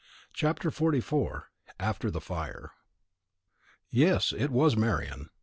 CHAPTER XLIV. AFTER THE FIRE. Yes, it was Marian.